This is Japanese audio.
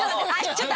ちょっと。